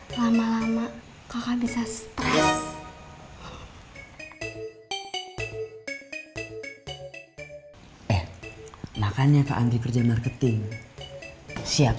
lama lama kakak bisa stress eh makanya keantri kerja marketing siap siap